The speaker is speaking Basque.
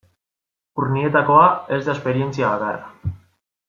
Urnietakoa ez da esperientzia bakarra.